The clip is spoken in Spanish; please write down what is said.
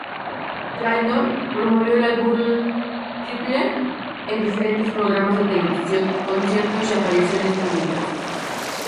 Trainor promovió el álbum "Title" en diferentes programas de televisión, conciertos y apariciones públicas.